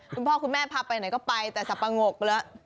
คุณพ่อคุณแม่พาไปไหนก็ไปแต่สับปะงกแล้ว